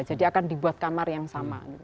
jadi akan dibuat kamar yang sama